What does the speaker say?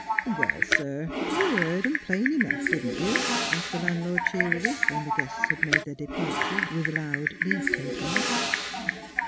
'Well, sir, you heerd 'em plain enough, didn't you?' asked Ihe landlord cheerily, when the guests had made their departure, with loud leave takings.